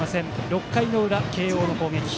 ６回の裏、慶応の攻撃。